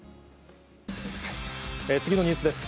次のニュースです。